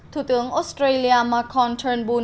thủ tướng australia macron turnbull